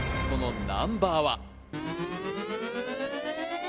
そのナンバーは？